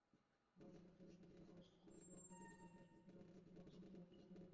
বাংলাদেশে নিযুক্ত বিভিন্ন প্রভাবশালী দেশের রাষ্ট্রদূতেরাও নির্বাচনের অবস্থা সম্পর্কে অনানুষ্ঠানিক জানতে চাইছেন।